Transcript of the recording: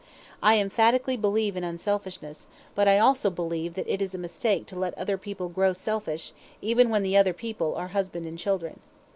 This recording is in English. I emphatically believe in unselfishness, but I also believe that it is a mistake to let other people grow selfish, even when the other people are husband and children.